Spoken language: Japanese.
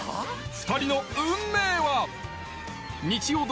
２人の運命は！？